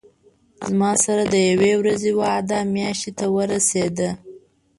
زما سره د یوې ورځې وعده میاشتې ته ورسېده.